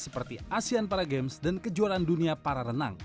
seperti asean para games dan kejuaraan dunia para renang